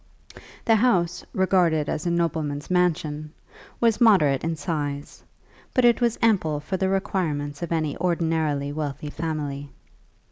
The house, regarded as a nobleman's mansion, was moderate in size, but it was ample for the requirements of any ordinarily wealthy family.